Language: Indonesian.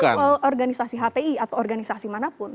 bukan karena organisasi hti atau organisasi manapun